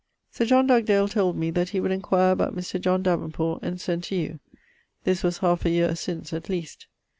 Sir John Dugdale told me that he would enquire about Mr. John Davenport, and send to you. This was halfe a yeare since, at least.